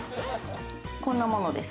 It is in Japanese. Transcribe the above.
こんなものです。